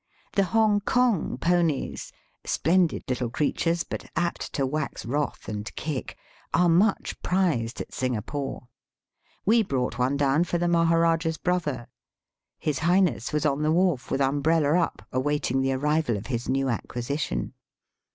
The Hongkong ponies — splendid little creatures, but apt to wax wroth and kick — are much prized at Singapore. We^ brought one down for the Maharajah's brother. His Highness was on the wharf with umbrella up awaiting the arrival of his new acquisition.